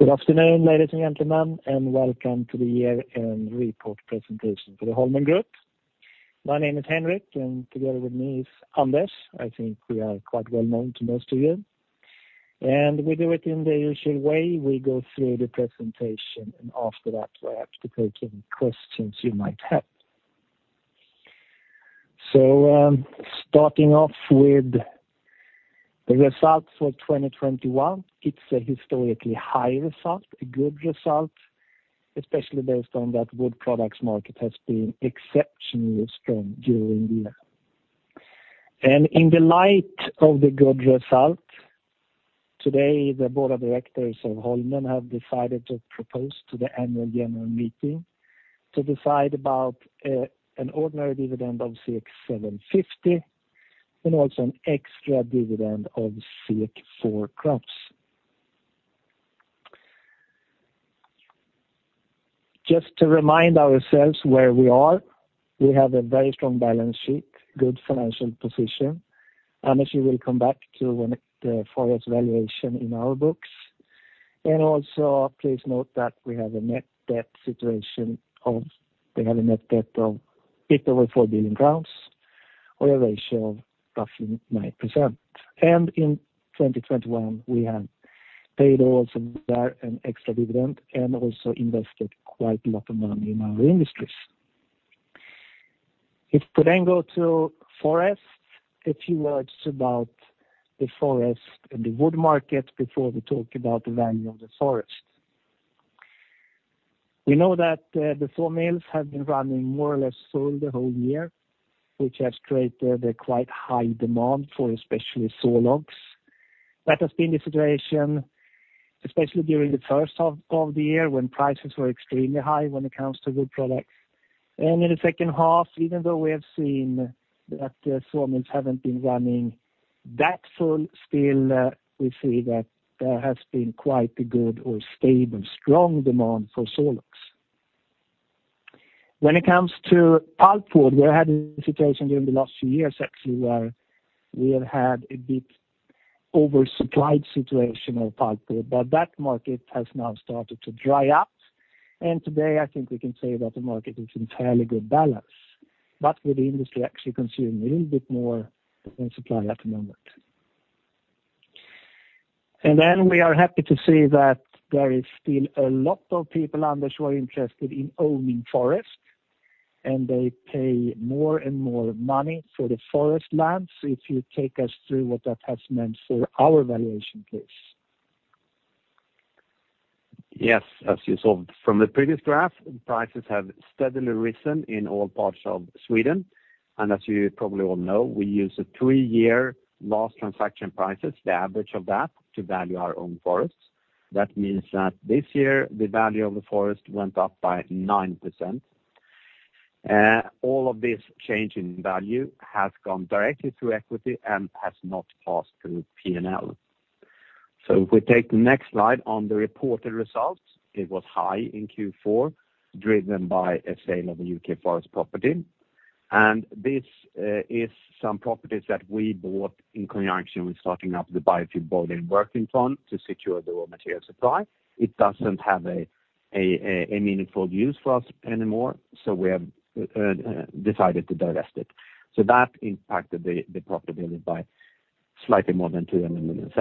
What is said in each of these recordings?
Good afternoon, ladies and gentlemen, and welcome to the year-end report presentation for the Holmen Group. My name is Henrik, and together with me is Anders. I think we are quite well-known to most of you. We do it in the usual way. We go through the presentation, and after that, we're happy to take any questions you might have. Starting off with the results for 2021, it's a historically high result, a good result, especially based on that wood products market has been exceptionally strong during the year. In the light of the good result, today, the board of directors of Holmen have decided to propose to the annual general meeting to decide about an ordinary dividend of 6.75, and also an extra dividend of 6.40 crowns. Just to remind ourselves where we are, we have a very strong balance sheet, good financial position. Anders, you will come back to when the forest valuation in our books. Please note that we have a net debt of a bit over SEK 4 billion or a ratio of roughly 9%. In 2021, we have paid also there an extra dividend and also invested quite a lot of money in our industries. We could then go to forest, a few words about the forest and the wood market before we talk about the value of the forest. We know that, the sawmills have been running more or less full the whole year, which has created a quite high demand for especially sawlogs. That has been the situation, especially during the first half of the year when prices were extremely high when it comes to wood products. In the second half, even though we have seen that the sawmills haven't been running that full, still, we see that there has been quite a good or stable, strong demand for sawlogs. When it comes to pulpwood, we're having a situation during the last few years, actually, where we have had a bit oversupplied situation of pulpwood, but that market has now started to dry up. Today, I think we can say that the market is entirely good balance, but with the industry actually consuming a little bit more than supply at the moment. We are happy to see that there is still a lot of people, Anders, who are interested in owning forest, and they pay more and more money for the forest lands. If you take us through what that has meant for our valuation, please. Yes, as you saw from the previous graph, prices have steadily risen in all parts of Sweden. As you probably all know, we use a three-year last transaction prices, the average of that, to value our own forests. That means that this year, the value of the forest went up by 9%. All of this change in value has gone directly to equity and has not passed through P&L. If we take the next slide on the reported results, it was high in Q4, driven by a sale of a UK forest property. This is some properties that we bought in connection with starting up the biofuel boiler in Workington to secure the raw material supply. It doesn't have a meaningful use for us anymore, so we have decided to divest it. That impacted the profitability by slightly more than 200 million.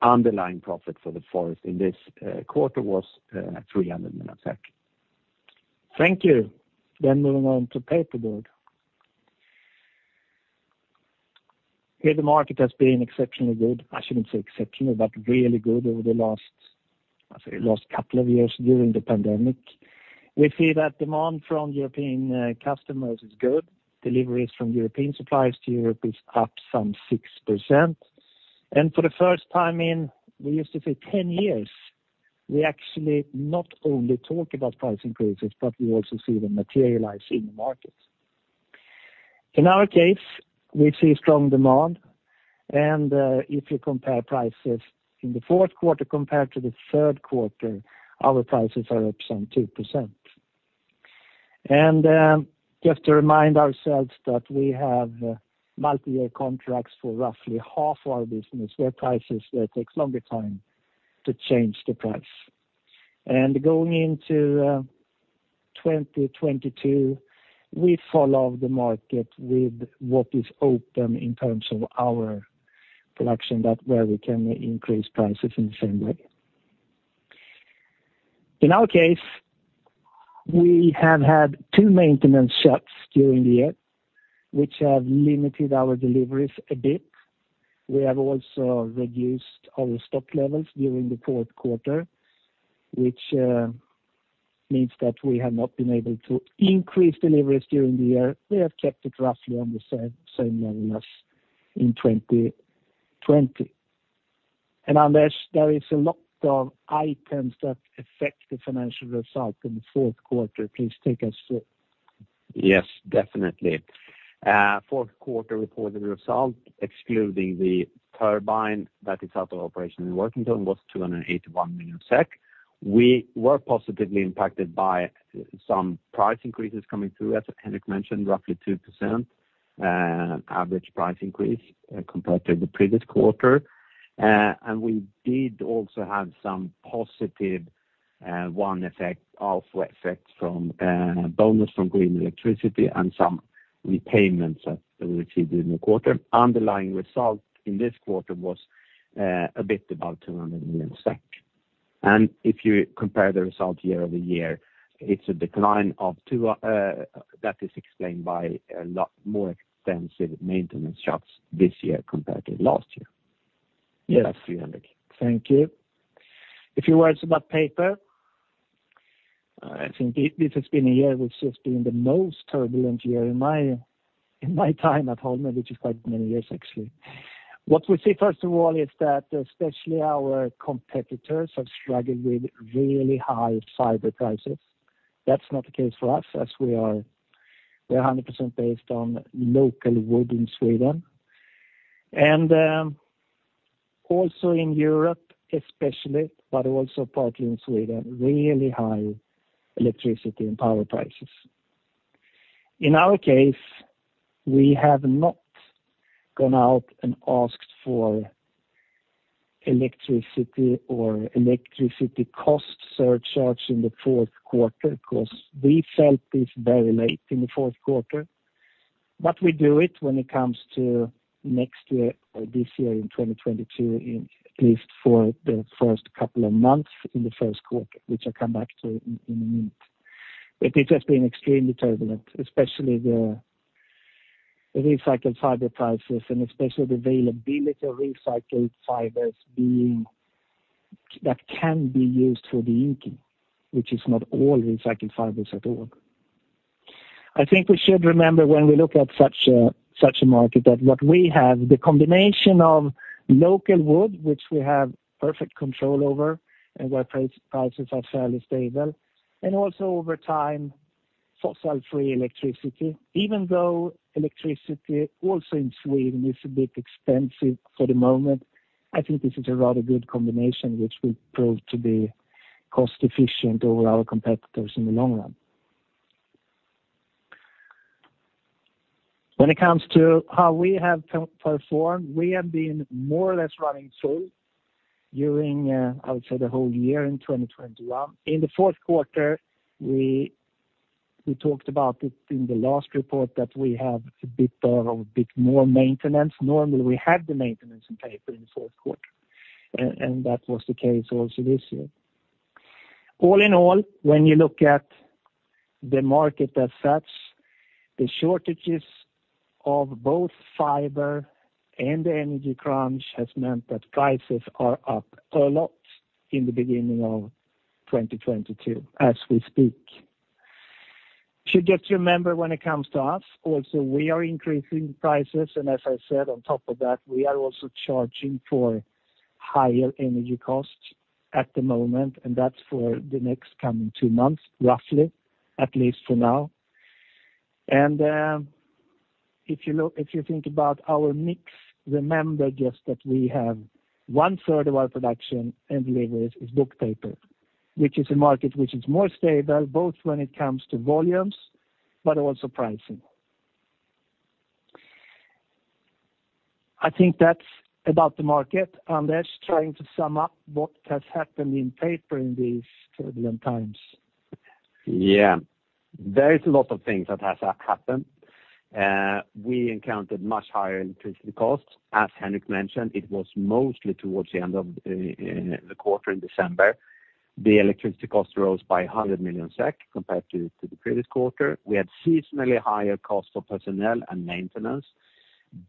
Underlying profit for the forest in this quarter was 300 million. Thank you. Moving on to paperboard. Here, the market has been exceptionally good. I shouldn't say exceptionally, but really good over the last, I'd say, last couple of years during the pandemic. We see that demand from European customers is good. Deliveries from European suppliers to Europe is up some 6%. For the first time in, we used to say 10 years, we actually not only talk about price increases, but we also see them materialize in the markets. In our case, we see strong demand. If you compare prices in the fourth quarter compared to the third quarter, our prices are up some 2%. Just to remind ourselves that we have multi-year contracts for roughly half our business, where prices there takes longer time to change the price. Going into 2022, we follow the market with what is open in terms of our production that where we can increase prices in the same way. In our case, we have had two maintenance shuts during the year, which have limited our deliveries a bit. We have also reduced our stock levels during the fourth quarter, which means that we have not been able to increase deliveries during the year. We have kept it roughly on the same level as in 2020. Anders, there is a lot of items that affect the financial result in the fourth quarter. Please take us through. Yes, definitely. Fourth quarter reported result, excluding the turbine that is out of operation in Workington, was 281 million SEK. We were positively impacted by some price increases coming through, as Henrik mentioned, roughly 2%. Average price increase compared to the previous quarter. We did also have some positive one-off effect from bonus from green electricity and some repayments that we received in the quarter. Underlying result in this quarter was a bit about 200 million SEK. If you compare the result year over year, it's a decline of two that is explained by a lot more extensive maintenance jobs this year compared to last year. Yes, thank you. A few words about paper. I think this has been a year which has been the most turbulent year in my time at Holmen, which is quite many years actually. What we see, first of all, is that especially our competitors have struggled with really high fiber prices. That's not the case for us, as we are 100% based on local wood in Sweden. Also in Europe, especially, but also partly in Sweden, really high electricity and power prices. In our case, we have not gone out and asked for electricity or electricity cost surcharge in the fourth quarter because we felt it's very late in the fourth quarter. We do it when it comes to next year or this year in 2022, at least for the first couple of months in the first quarter, which I'll come back to in a minute. It has been extremely turbulent, especially the recycled fiber prices and especially the availability of recycled fibers that can be used for the inking, which is not all recycled fibers at all. I think we should remember when we look at such a market, that what we have, the combination of local wood, which we have perfect control over, and where prices are fairly stable, and also over time, fossil-free electricity, even though electricity also in Sweden is a bit expensive for the moment. I think this is a rather good combination, which will prove to be cost efficient over our competitors in the long run. When it comes to how we have performed, we have been more or less running full during, I would say, the whole year in 2021. In the fourth quarter, we talked about it in the last report that we have a bit more of, a bit more maintenance. Normally, we have the maintenance in paper in the fourth quarter, and that was the case also this year. All in all, when you look at the market as such, the shortages of both fiber and energy crunch has meant that prices are up a lot in the beginning of 2022, as we speak. You should just remember when it comes to us, also, we are increasing prices, and as I said, on top of that, we are also charging for higher energy costs at the moment, and that's for the next coming two months, roughly, at least for now. If you think about our mix, remember just that we have 1/3 of our production and deliveries is book paper, which is a market which is more stable, both when it comes to volumes, but also pricing. I think that's about the market. Anders, trying to sum up what has happened in paper in these turbulent times. Yeah. There is a lot of things that has happened. We encountered much higher electricity costs. As Henrik mentioned, it was mostly towards the end of the quarter in December. The electricity cost rose by 100 million SEK compared to the previous quarter. We had seasonally higher cost of personnel and maintenance,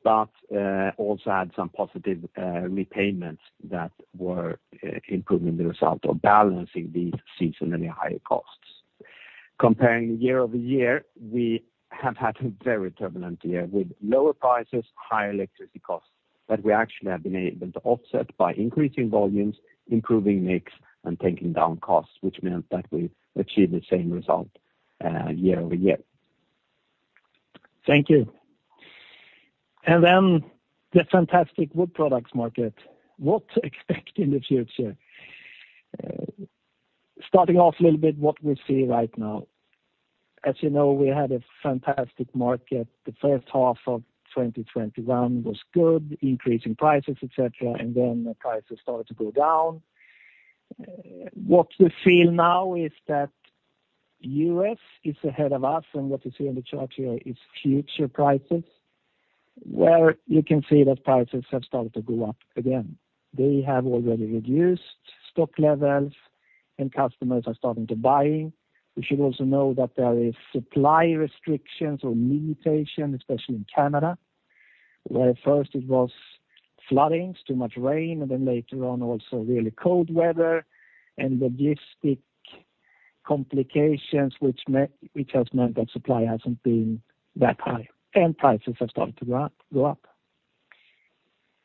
but also had some positive repayments that were improving the result of balancing the seasonally higher costs. Comparing year-over-year, we have had a very turbulent year with lower prices, higher electricity costs, but we actually have been able to offset by increasing volumes, improving mix, and taking down costs, which meant that we achieved the same result year-over-year. Thank you. The fantastic wood products market. What to expect in the future? Starting off a little bit what we see right now. As you know, we had a fantastic market. The first half of 2021 was good, increasing prices, et cetera, and then the prices started to go down. What we feel now is that U.S. is ahead of us, and what you see in the chart here is future prices, where you can see that prices have started to go up again. They have already reduced stock levels and customers are starting to buy. We should also know that there is supply restrictions or limitation, especially in Canada, where first it was flooding, too much rain, and then later on, also really cold weather and logistical complications, which has meant that supply hasn't been that high, and prices have started to go up.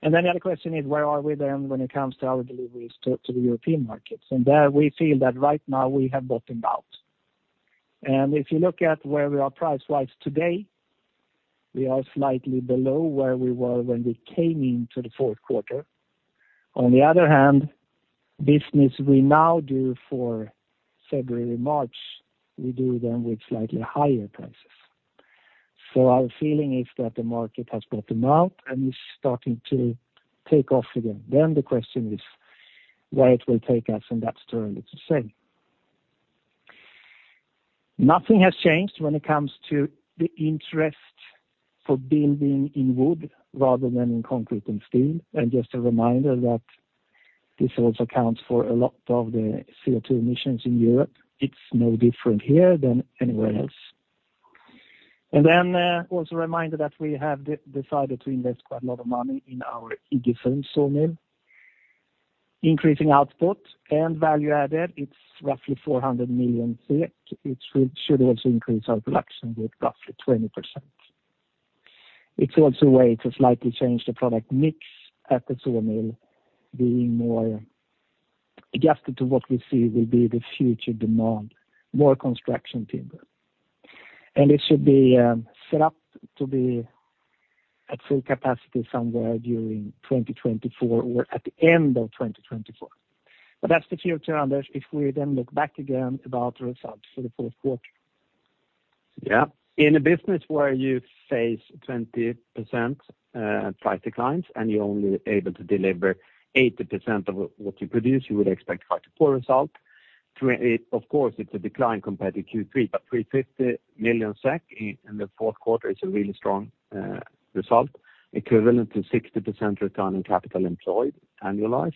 The other question is: Where are we then when it comes to our deliveries to the European markets? There we feel that right now we have bottomed out. If you look at where we are price-wise today, we are slightly below where we were when we came into the fourth quarter. On the other hand, business we now do for February, March, we do them with slightly higher prices. Our feeling is that the market has bottomed out, and it's starting to take off again. The question is where it will take us, and that's too early to say. Nothing has changed when it comes to the interest for building in wood rather than in concrete and steel. Just a reminder that this also accounts for a lot of the CO2 emissions in Europe. It's no different here than anywhere else. Also a reminder that we have decided to invest quite a lot of money in our Iggesund Sawmill. Increasing output and value added, it's roughly 400 million. It should also increase our production with roughly 20%. It's also a way to slightly change the product mix at the sawmill, being more adjusted to what we see will be the future demand, more construction timber. It should be set up to be at full capacity somewhere during 2024 or at the end of 2024. That's the future, Anders, if we then look back again about results for the fourth quarter. Yeah. In a business where you face 20% price declines, and you're only able to deliver 80% of what you produce, you would expect quite a poor result. Of course, it's a decline compared to Q3, but 350 million SEK in the fourth quarter is a really strong result, equivalent to 60% return on capital employed, annualized.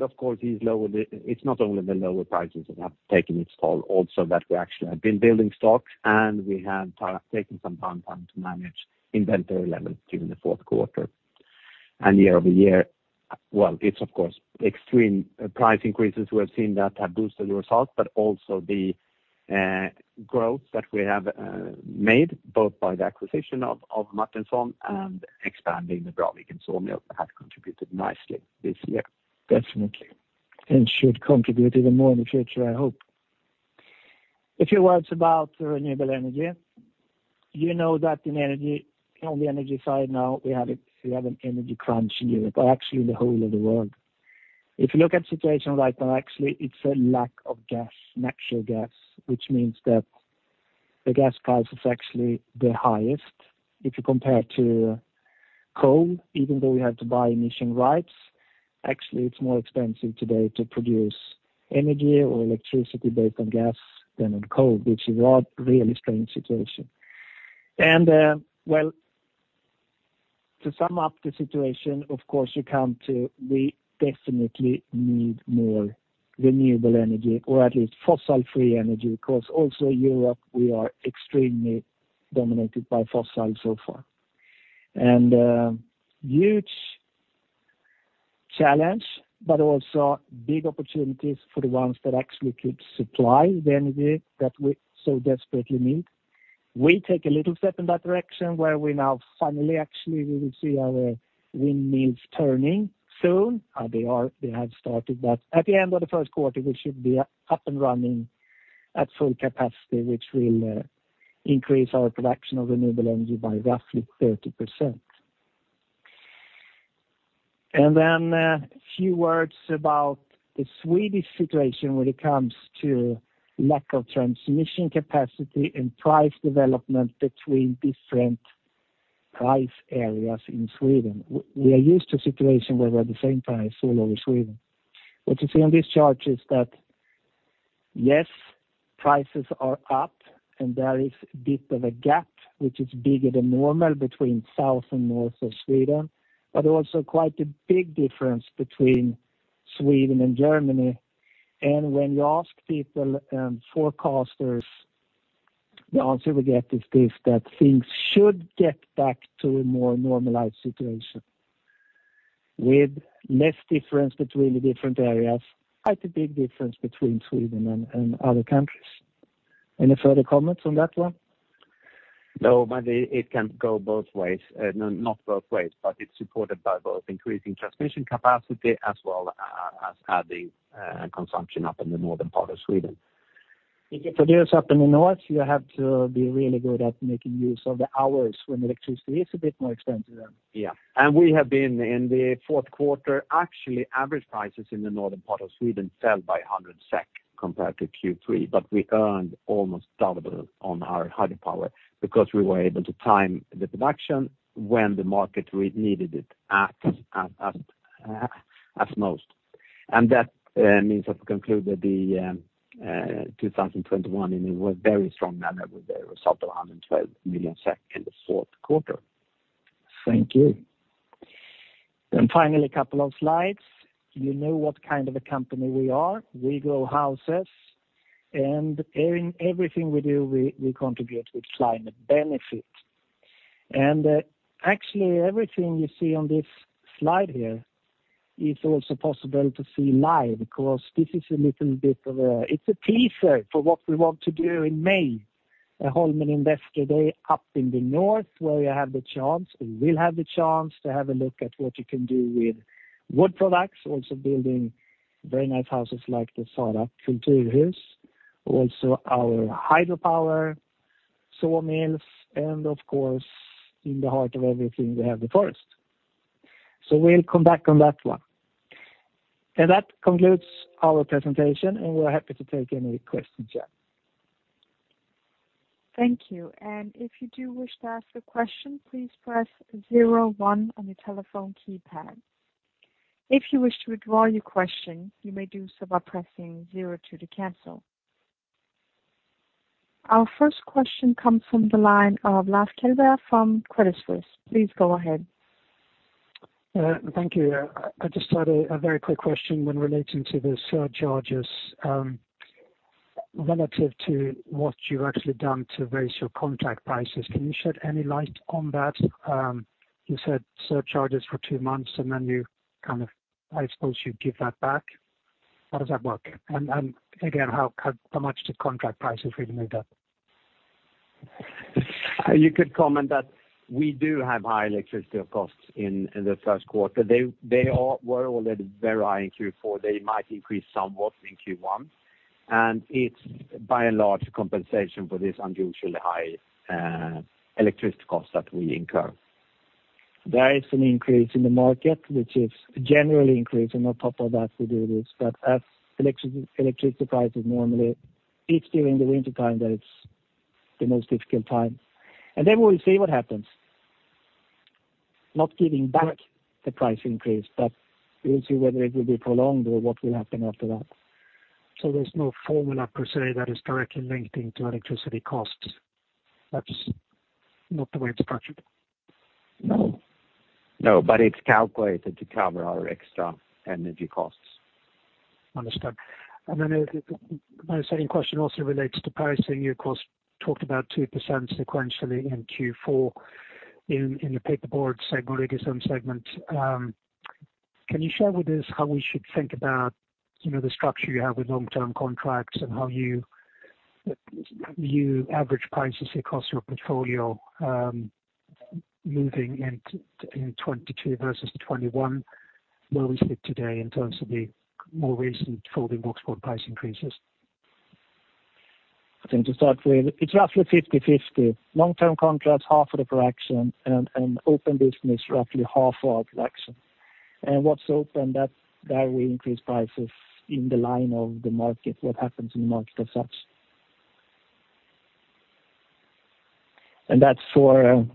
Of course, it's not only the lower prices that have taken its toll, also that we actually have been building stocks, and we have taken some time to manage inventory levels during the fourth quarter. Year over year, well, it's of course extreme price increases we have seen that have boosted the results, but also the growth that we have made, both by the acquisition of Martinsons and expanding the Braviken Sawmill have contributed nicely this year. Definitely. Should contribute even more in the future, I hope. A few words about renewable energy. You know that in energy, on the energy side now, we have an energy crunch in Europe, but actually in the whole of the world. If you look at situation right now, actually, it's a lack of gas, natural gas, which means that the gas price is actually the highest. If you compare to coal, even though we have to buy emission rights, actually, it's more expensive today to produce energy or electricity based on gas than on coal, which is an odd, really strange situation. Well, to sum up the situation, of course, you come to we definitely need more renewable energy, or at least fossil-free energy, because also Europe, we are extremely dominated by fossil so far. Huge challenge, but also big opportunities for the ones that actually could supply the energy that we so desperately need. We take a little step in that direction where we now finally, actually, we will see our windmills turning soon. They have started, but at the end of the first quarter, we should be up and running at full capacity, which will increase our production of renewable energy by roughly 30%. A few words about the Swedish situation when it comes to lack of transmission capacity and price development between different price areas in Sweden. We are used to a situation where we have the same price all over Sweden. What you see on this chart is that, yes, prices are up, and there is a bit of a gap, which is bigger than normal between south and north of Sweden, but also quite a big difference between Sweden and Germany. When you ask people and forecasters, the answer we get is this, that things should get back to a more normalized situation with less difference between the different areas, quite a big difference between Sweden and other countries. Any further comments on that one? No, it can go both ways. No, not both ways, it's supported by both increasing transmission capacity as well as adding consumption up in the northern part of Sweden. If you produce up in the north, you have to be really good at making use of the hours when electricity is a bit more expensive than. Yeah. We have seen in the fourth quarter, actually, average prices in the northern part of Sweden fell by 100 SEK compared to Q3, but we earned almost double on our hydropower because we were able to time the production when the market needed it at its most. That means we conclude the 2021 in a very strong manner with a result of 112 million in the fourth quarter. Thank you. Finally, a couple of slides. You know what kind of a company we are. We grow houses, and in everything we do, we contribute with climate benefit. Actually, everything you see on this slide here is also possible to see live because this is a little bit of a teaser for what we want to do in May, a Holmen Investor Day up in the north, where you will have the chance to have a look at what you can do with wood products, also building very nice houses like the Sara Kulturhus, also our hydropower, sawmills and of course, in the heart of everything we have the forest. We'll come back on that one. That concludes our presentation, and we're happy to take any questions here. Thank you. If you do wish to ask a question, please press zero one on your telephone keypad. If you wish to withdraw your question, you may do so by pressing zero two to cancel. Our first question comes from the line of Lars Kjellberg from Credit Suisse. Please go ahead. Thank you. I just had a very quick question when relating to the surcharges, relative to what you've actually done to raise your contract prices. Can you shed any light on that? You said surcharges for two months and then you kind of, I suppose you give that back. How does that work? Again, how much the contract prices really moved up? You could comment that we do have high electricity costs in the first quarter. They were already very high in Q4. They might increase somewhat in Q1, and it's by and large compensation for this unusually high electricity cost that we incur. There is an increase in the market, which is generally increasing. On top of that, we do this, but as electricity prices normally, it's during the wintertime that it's the most difficult time. Then we'll see what happens. Not giving back the price increase, but we'll see whether it will be prolonged or what will happen after that. There's no formula per se that is directly linked into electricity costs. That's not the way it's structured? No, but it's calculated to cover our extra energy costs. Understood. My second question also relates to pricing. You, of course, talked about 2% sequentially in Q4 in your paperboard segment or some segment. Can you share with us how we should think about, you know, the structure you have with long-term contracts and how you average prices across your portfolio moving into 2022 versus 2021? Where we sit today in terms of the more recent folding boxboard price increases? I think to start with, it's roughly 50/50. Long-term contracts, half of the correction and open business, roughly half of the correction. What's open, that will increase prices in the line of the market, what happens in the market as such. That's for,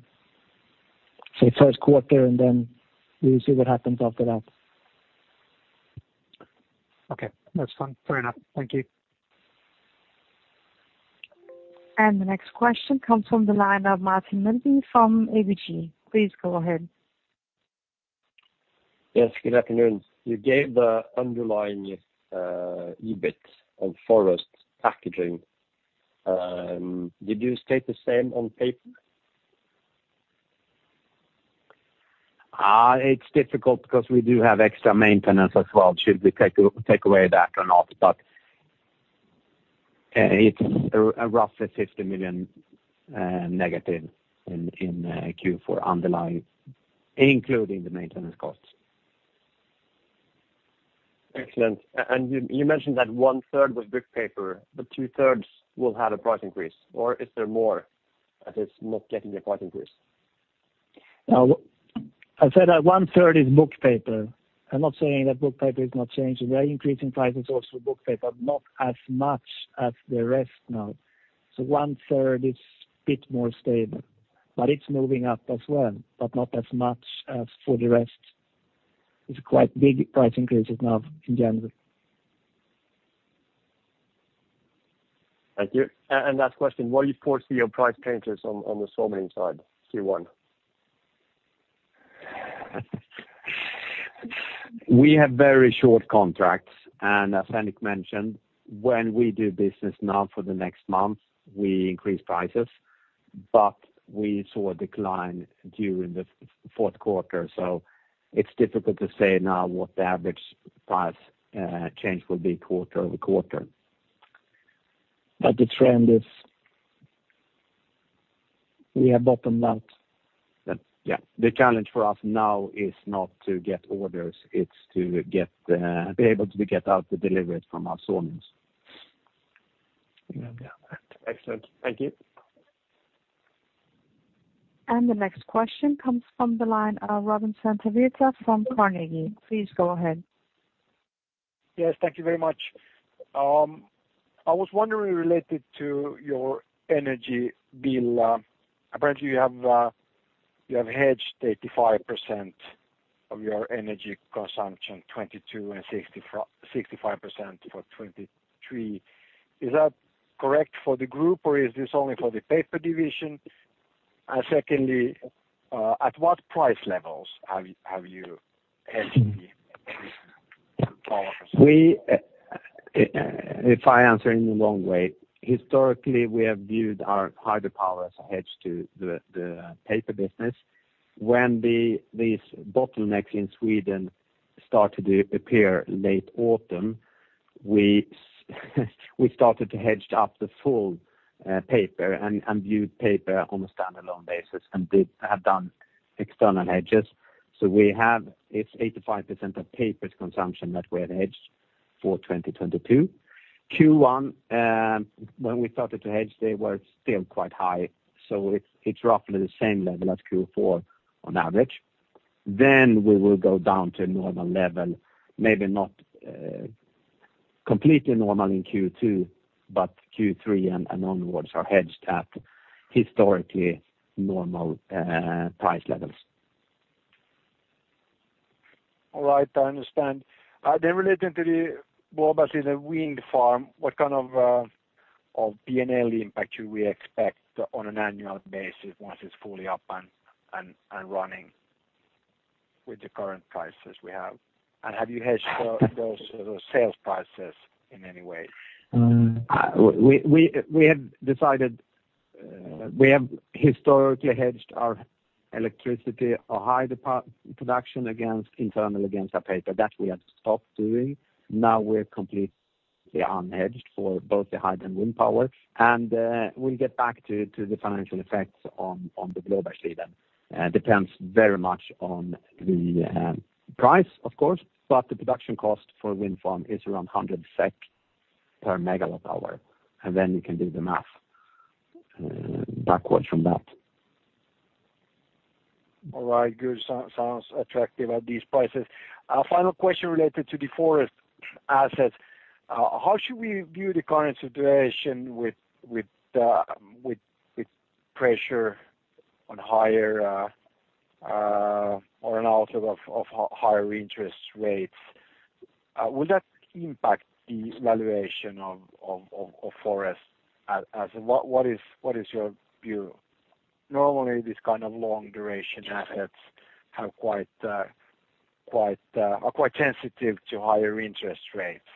say, first quarter, and then we'll see what happens after that. Okay. That's fine. Fair enough. Thank you. The next question comes from the line of Martin Melbye from ABG. Please go ahead. Yes, good afternoon. You gave the underlying, EBIT on forest packaging. Did you state the same on paper? It's difficult because we do have extra maintenance as well, should we take away that or not, but it's roughly 50 million negative in Q4 underlying, including the maintenance costs. Excellent. You mentioned that one-third was book paper, but two-thirds will have a price increase or is there more that is not getting a price increase? I said that 1/3 is book paper. I'm not saying that book paper is not changing. We are increasing prices also for book paper, not as much as the rest now. One-third is a bit more stable, but it's moving up as well, but not as much as for the rest. It's quite big price increases now in general. Thank you. Last question. What do you foresee your price changes on the sawmill side, Q1? We have very short contracts, and as Henrik mentioned, when we do business now for the next month, we increase prices, but we saw a decline during the fourth quarter. It's difficult to say now what the average price change will be quarter-over-quarter. The trend is we have bottomed out. Yeah. The challenge for us now is not to get orders, it's to be able to get out the deliveries from our sawmills. Yeah. Excellent. Thank you. The next question comes from the line of Robin Santavirta from Carnegie. Please go ahead. Yes, thank you very much. I was wondering, related to your energy bill, apparently you have hedged 85% of your energy consumption, 2022 and 65% for 2023. Is that correct for the group or is this only for the paper division? Secondly, at what price levels have you hedged the power consumption? Well, if I answer in a long way, historically, we have viewed our hydropower as a hedge to the paper business. When these bottlenecks in Sweden started to appear late autumn, we started to hedge up the full paper and viewed paper on a standalone basis and have done external hedges. It's 85% of paper's consumption that we have hedged for 2022 Q1, when we started to hedge, they were still quite high. It's roughly the same level as Q4 on average. Then we will go down to normal level, maybe not completely normal in Q2, but Q3 and onwards are hedged at historically normal price levels. All right, I understand. Then relating to the Blåbergsliden Wind Farm, what kind of P&L impact should we expect on an annual basis once it's fully up and running with the current prices we have? Have you hedged for those sales prices in any way? We have decided we have historically hedged our electricity or hydro production against internal, against our paper. That we have stopped doing. Now we're completely unhedged for both the hydro and wind power. We'll get back to the financial effects on the Blåbergsliden. It depends very much on the price, of course, but the production cost for a wind farm is around 100 SEK per MWh, and then you can do the math backwards from that. All right, good. Sounds attractive at these prices. Final question related to the forest assets. How should we view the current situation with pressure on higher or an outlook of higher interest rates? Will that impact the valuation of forest assets? What is your view? Normally, these kind of long duration assets are quite sensitive to higher interest rates.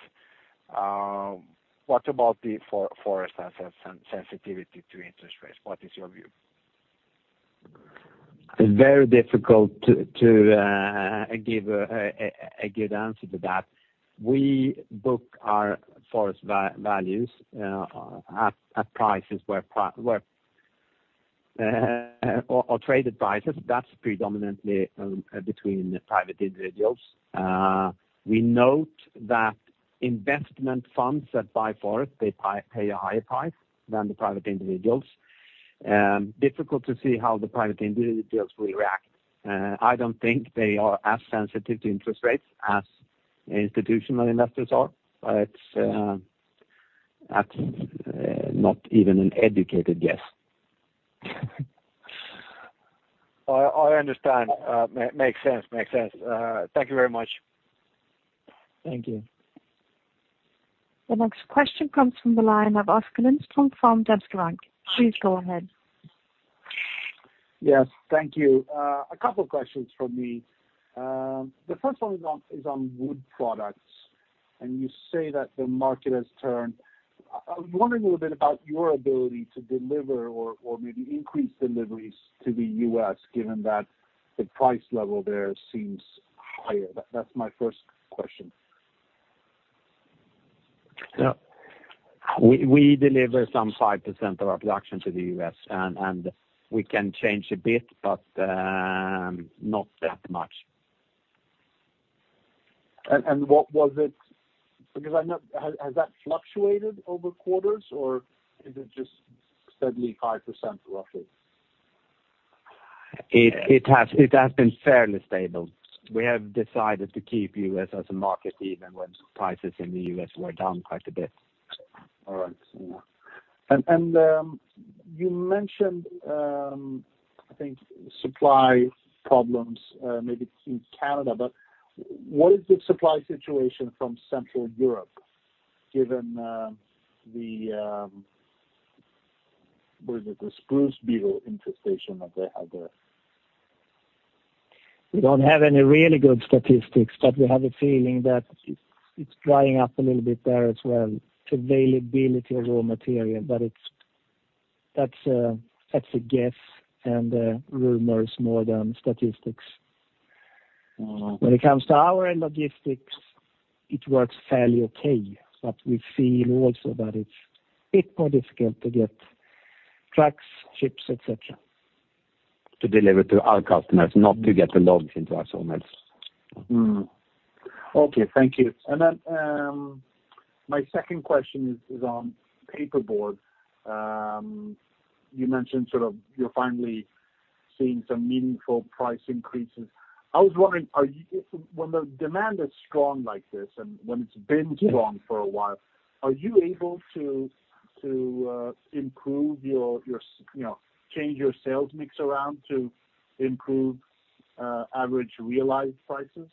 What about the forest assets and sensitivity to interest rates? What is your view? It's very difficult to give a good answer to that. We book our forest values at prices or trade prices, that's predominantly between private individuals. We note that investment funds that buy forest, they pay a higher price than the private individuals. Difficult to see how the private individuals will react. I don't think they are as sensitive to interest rates as institutional investors are. That's not even an educated guess. I understand. Makes sense. Thank you very much. Thank you. The next question comes from the line of Oskar Lindström from Danske Bank. Please go ahead. Yes. Thank you. A couple questions from me. The first one is on wood products, and you say that the market has turned. I wonder a little bit about your ability to deliver or maybe increase deliveries to the U.S. given that the price level there seems higher. That's my first question. Yeah. We deliver some 5% of our production to the U.S., and we can change a bit, but not that much. What was it? Because I know. Has that fluctuated over quarters, or is it just steadily 5% roughly? It has been fairly stable. We have decided to keep U.S. as a market even when prices in the U.S. were down quite a bit. All right. Yeah. You mentioned, I think, supply problems, maybe, in Canada. What is the supply situation from Central Europe given the was it the spruce beetle infestation that they had there? We don't have any really good statistics, but we have a feeling that it's drying up a little bit there as well, availability of raw material. That's a guess and rumors more than statistics. Uh. When it comes to our end logistics, it works fairly okay, but we feel also that it's a bit more difficult to get trucks, ships, et cetera. To deliver to our customers, not to get the logs into our sawmills. Okay, thank you. My second question is on paperboard. You mentioned sort of you're finally seeing some meaningful price increases. I was wondering, if when the demand is strong like this and when it's been strong for a while, are you able to change your sales mix around to improve average realized prices?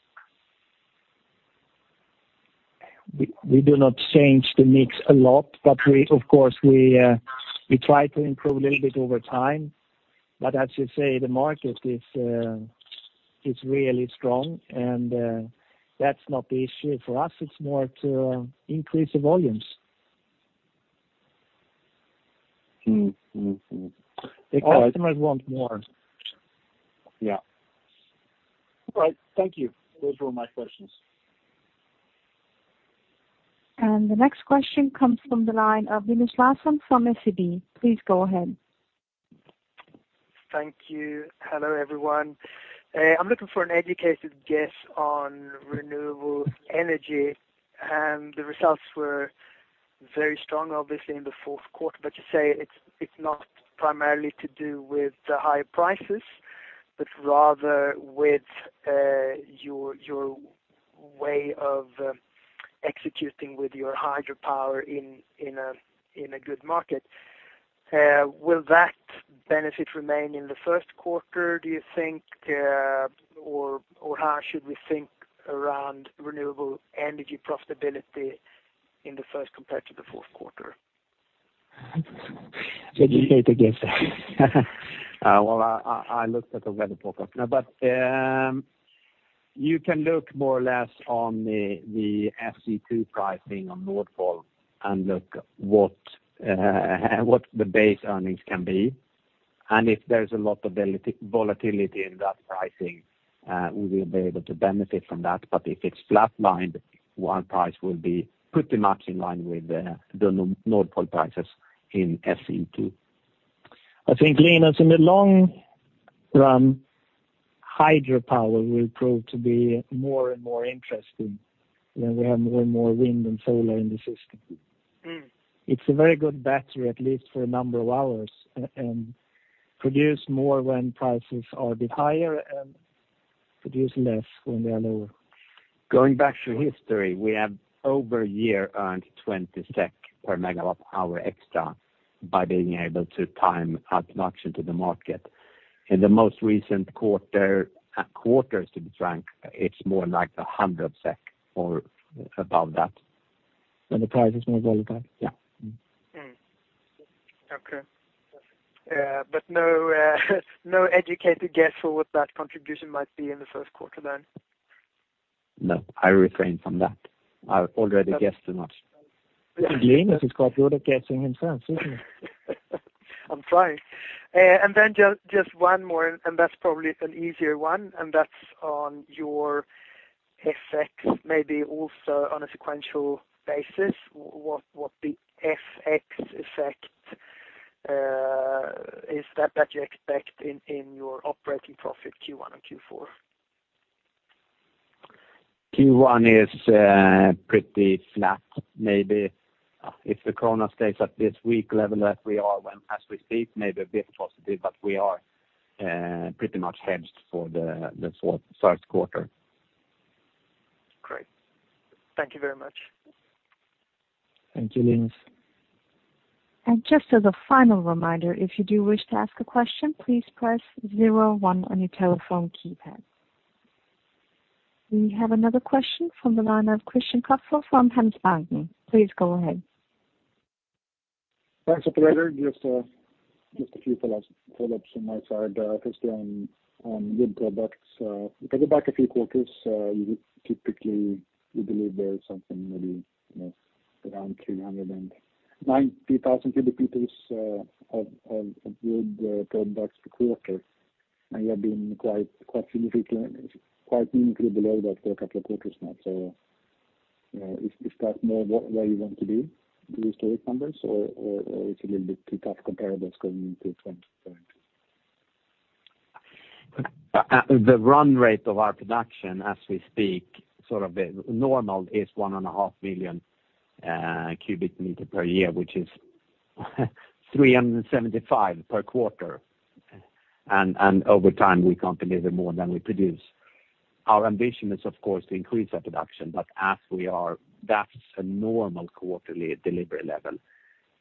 We do not change the mix a lot, but we, of course, try to improve a little bit over time. As you say, the market is really strong, and that's not the issue for us. It's more to increase the volumes. All right. The customers want more. Yeah. All right. Thank you. Those were my questions. The next question comes from the line of Linus Larsson from SEB. Please go ahead. Thank you. Hello, everyone. I'm looking for an educated guess on renewable energy, and the results were very strong, obviously, in the fourth quarter. You say it's not primarily to do with the high prices, but rather with your way of executing with your hydropower in a good market. Will that benefit remain in the first quarter, do you think? Or how should we think around renewable energy profitability in the first compared to the fourth quarter? Educated guess. Well, I looked at the weather forecast. No, but you can look more or less at the SE2 pricing on Nord Pool and look at what the base earnings can be. If there's a lot of volatility in that pricing, we will be able to benefit from that. If it's flat-lined, our price will be pretty much in line with the Nord Pool prices in SE2. I think, Linus, in the long run, hydropower will prove to be more and more interesting when we have more and more wind and solar in the system. Mm. It's a very good battery, at least for a number of hours, and produce more when prices are a bit higher and produce less when they are lower. Going back to history, we have over the year earned 20 SEK per MWh extra by being able to time our production to the market. In the most recent quarters to be frank, it's more like 100 SEK or above that. When the price is more volatile? Yeah. Mm. Okay. No educated guess for what that contribution might be in the first quarter then? No, I refrain from that. I've already guessed enough. This is. He's quite good at guessing himself, isn't he? I'm trying. Then just one more, and that's probably an easier one, and that's on your FX, maybe also on a sequential basis, what the FX effect is that you expect in your operating profit Q1 and Q4. Q1 is pretty flat. Maybe, if the krona stays at this weak level that we are at as we speak, maybe a bit positive, but we are pretty much hedged for the first quarter. Great. Thank you very much. Thank you, Linus. Just as a final reminder, if you do wish to ask a question, please press zero one on your telephone keypad. We have another question from the line of Christian Kopfer from Handelsbanken. Please go ahead. Thanks, Operator. Just a few follow-ups from my side, Christian, on wood products. If I go back a few quarters, you would typically believe there is something maybe, you know, around 390,000 cubic meters of wood products per quarter. You have been quite significantly, quite meaningfully below that for a couple of quarters now. Is that more where you want to be, the historic numbers, or it's a little bit too tough to compare that's going into 2020? The run rate of our production as we speak, sort of the normal is 1.5 million cubic meter per year, which is 375 per quarter. Over time, we can't deliver more than we produce. Our ambition is, of course, to increase our production, but as we are, that's a normal quarterly delivery level.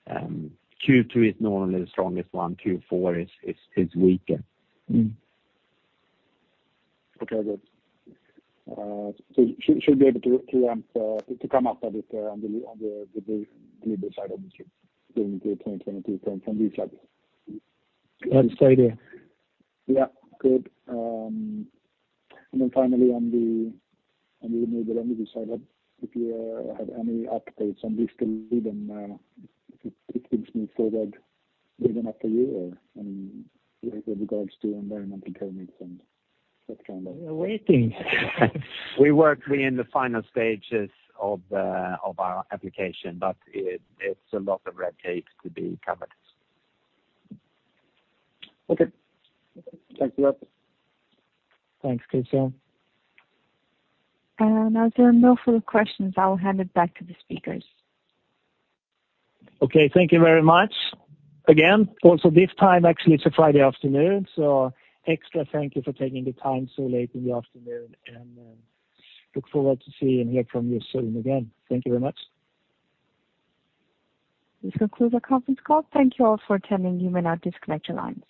Q2 is normally the strongest one. Q4 is weaker. Mm. Okay, good. Should be able to come up a bit on the delivery side, obviously, going into 2023 from these levels. I'd say there. Yeah. Good. Finally on the renewable energy side, if you have any updates on this and if it's moving forward even after a year or, I mean, with regards to environmental permits and that kind of- We're waiting. We work, we're in the final stages of our application, but it's a lot of red tape to be covered. Okay. Thank you. Thanks, Christian. As there are no further questions, I will hand it back to the speakers. Okay. Thank you very much. Again, also this time, actually, it's a Friday afternoon, so extra thank you for taking the time so late in the afternoon, and, look forward to seeing and hear from you soon again. Thank you very much. This concludes our conference call. Thank you all for attending. You may now disconnect your lines.